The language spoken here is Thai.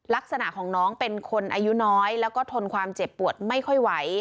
ลักษณะของน้องเป็นคนอายุน้อยแล้วก็ทนความเจ็บปวดไม่ค่อยไหว